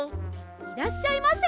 いらっしゃいませ。